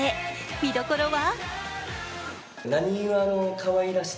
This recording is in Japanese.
見どころは？